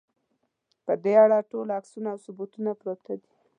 په دې اړه ټول عکسونه او ثبوتونه پراته دي.